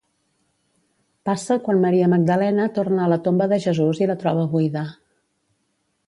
Passa quan Maria Magdalena torna a la tomba de Jesús i la troba buida.